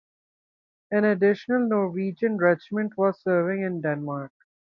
An additional Norwegian regiment was serving in Denmark.